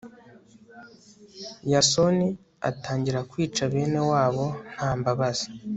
yasoni atangira kwica bene wabo nta mbabazi